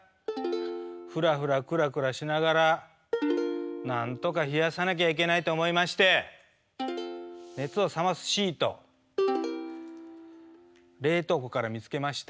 フラフラクラクラしながらなんとか冷やさなきゃいけないと思いまして熱を冷ますシート冷凍庫から見つけました。